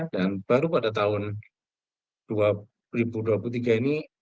dan baru pada tahun dua ribu dua puluh tiga ini